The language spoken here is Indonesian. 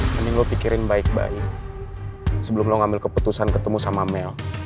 mending lo pikirin baik baik sebelum lo ngambil keputusan ketemu sama mel